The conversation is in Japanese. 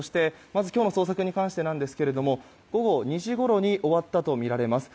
まず今日の捜索に関してなんですけども午後２時ごろに終わったとみられます。